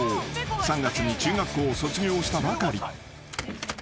［３月に中学校を卒業したばかり］